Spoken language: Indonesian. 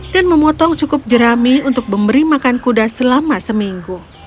dan memotong cukup jerami untuk memberi makan kuda selama seminggu